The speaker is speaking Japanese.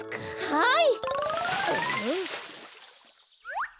はい！